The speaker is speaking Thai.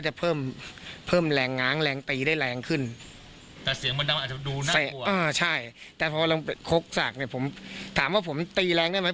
อ๋อใช่แต่พอลงไปคกสักเนี่ยถามว่าผมตีแรงได้ไหม